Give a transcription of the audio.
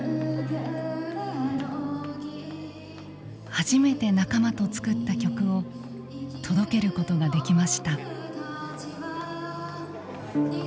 初めて仲間と作った曲を届けることができました。